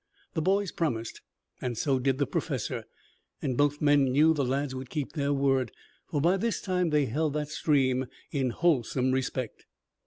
The boys promised and so did the Professor, and both men knew the lads would keep their word, for by this time they held that stream in wholesome respect.